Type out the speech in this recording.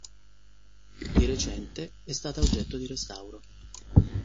Di recente è stata oggetto di restauro.